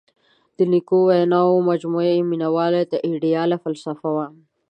• د نیکو ویناوو مجموعه یې مینوالو ته آیډیاله فلسفه وه.